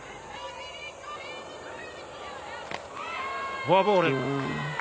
フォアボール。